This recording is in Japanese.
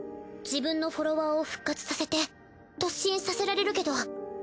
自分のフォロワーを復活させて突進させられるけど。